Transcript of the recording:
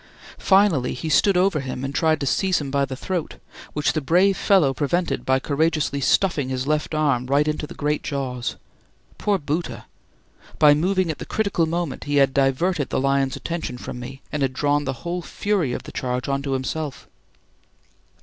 Finally he stood over him and tried to seize him by the throat, which the brave fellow prevented by courageously stuffing his left arm right into the great jaws. Poor Bhoota! By moving at the critical moment, he had diverted the lion's attention from me and had drawn the whole fury of the charge on to himself.